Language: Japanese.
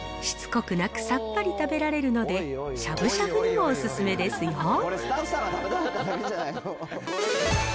しつこくなくさっぱり食べられるので、しゃぶしゃぶにもお勧めですよ。